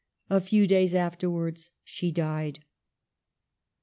A few days afterwards she died.